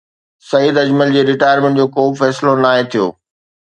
سعيد اجمل جي رٽائرمينٽ جو ڪو به فيصلو ناهي ٿيو